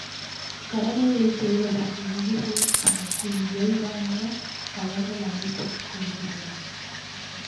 கடமைகளைச் செய்வதற்கு உயிர்கள் தமக்கு இயைபான களங்கள் அமைத்துக் கொள்கின்றன.